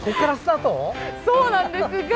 そうなんですが。